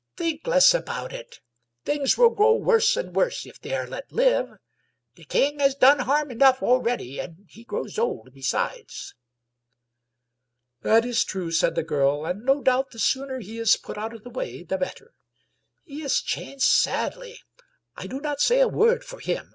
" Think less ^out it. Things will grow worse and worse if they are kt live. The King has done harm enough already* And he grows old besides." " That is true !" said the girl. " And no doubt the sooner he is put out of the way the better. He is changed sadly. I do not say a word for him.